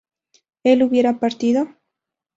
¿él hubiera partido?